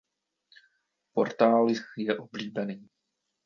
Portál je obdélný.